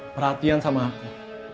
perhatian sama aku